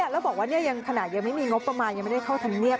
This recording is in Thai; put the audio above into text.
แล้วบอกว่าขณะยังไม่มีงบประมาณยังไม่ได้เข้าธรรมเนียบ